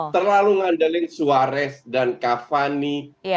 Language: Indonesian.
terlalu mengandalkan suarez dan cavani